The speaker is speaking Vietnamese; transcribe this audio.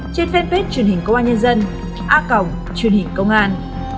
trên fanpage truyền hình công an nhân dân a cổng truyền hình công an